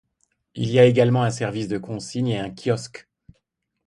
Il y a également un service de consigne et un kiosque.